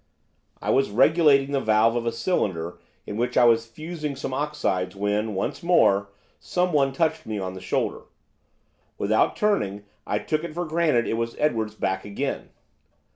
I was regulating the valve of a cylinder in which I was fusing some oxides when, once more, someone touched me on the shoulder. Without turning I took it for granted it was Edwards back again.